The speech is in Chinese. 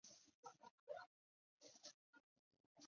克利尔克里克县是美国科罗拉多州中北部的一个县。